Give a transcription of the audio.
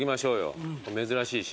珍しいし。